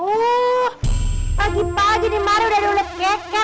oh pagi pagi nih malem udah ada ulit keket